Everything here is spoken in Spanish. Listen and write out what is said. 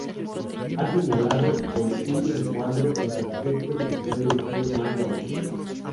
He señalado con un recuadro los aspectos que pueden ser más llamativos